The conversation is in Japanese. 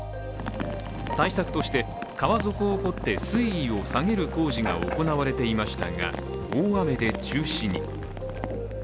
対策として川底を掘って水位を下げる工事が行われていましたが大雨で中止に。